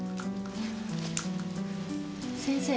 先生